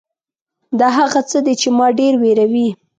دا هغه څه دي چې ما ډېر وېروي .